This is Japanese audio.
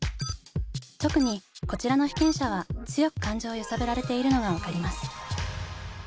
特にこちらの被験者は強く感情を揺さぶられているのが分かります。